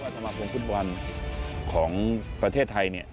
สมาคมฟุตบอลของประเทศไทยเนี่ย